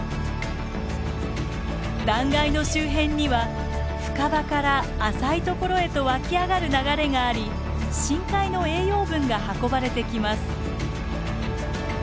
断崖の周辺には深場から浅い所へと湧き上がる流れがあり深海の栄養分が運ばれてきます。